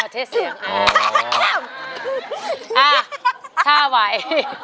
เทสเสียงอ๋ออ๋อถ้าไหว